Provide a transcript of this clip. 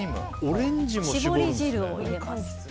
搾り汁を入れます。